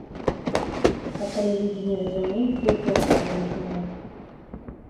А калі людзі не разумеюць, то і попыту ў іх няма.